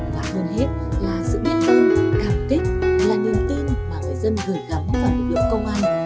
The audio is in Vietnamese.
và hơn hết là sự biết ơn cảm kích là niềm tin mà người dân gửi gắm vào lực lượng công an